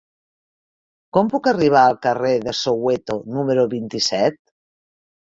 Com puc arribar al carrer de Soweto número vint-i-set?